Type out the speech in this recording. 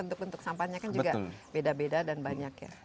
untuk bentuk sampahnya kan juga beda beda dan banyak ya